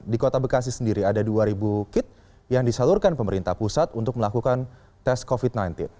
di kota bekasi sendiri ada dua kit yang disalurkan pemerintah pusat untuk melakukan tes covid sembilan belas